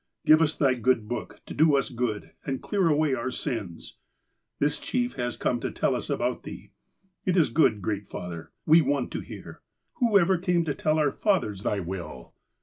Give us Thy good Book to do us good, and clear away our sins. This chief has come to tell us about Thee. It is good. Great Father. We want to hear. Who ever came to tell our fathers Thy will